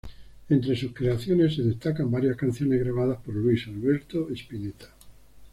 Entre sus creaciones se destacan varias canciones grabadas por Luis Alberto Spinetta.